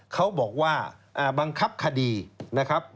เขาบอกว่าบังคับคดีนะครับ